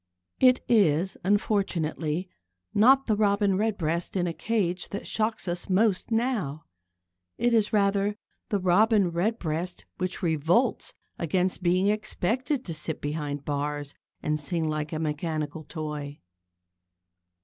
It is, unfortunately, not the Robin Redbreast in a cage that shocks us most now. It is rather the Robin Redbreast which revolts against being expected to sit behind bars and sing like a mechanical toy.